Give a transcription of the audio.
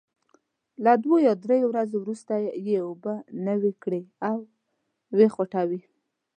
له دوه یا درې ورځو وروسته یې اوبه نوي کړئ او وې خوټوئ.